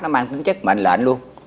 nó mang tính chất mạnh lệnh luôn